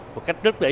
một cách rất là tốt